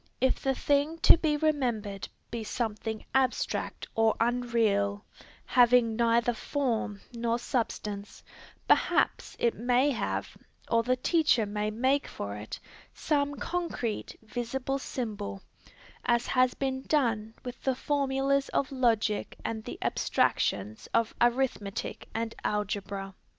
If the thing to be remembered be something abstract or unreal, having neither form nor substance, perhaps it may have, or the teacher may make for it, some concrete, visible symbol, as has been done with the formulas of logic and the abstractions of arithmetic and algebra.